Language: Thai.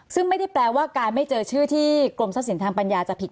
ซึ่งไม่ได้แปลว่าการไม่เจอชื่อที่กรมทรัพย์สินทางปัญญาจะผิด